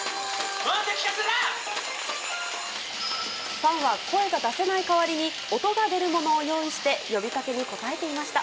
ファンは声が出せない代わりに音が出るものを用意して呼びかけに答えていました。